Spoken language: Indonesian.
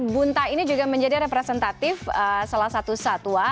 bunta ini juga menjadi representatif salah satu satwa